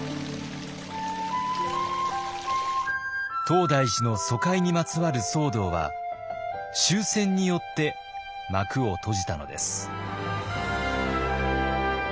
東大寺の疎開にまつわる騒動は終戦によって幕を閉じたのです。